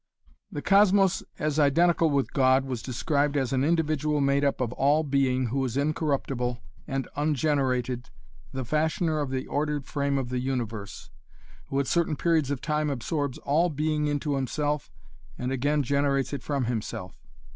The cosmos as identical with God was described as an individual made up of all being who is incorruptible and ungenerated, the fashioner of the ordered frame of the universe, who at certain periods of time absorbs all being into himself and again generates it from himself.